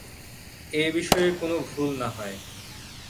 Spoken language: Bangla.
এ বিষয়ে কোন ভুল না হয়।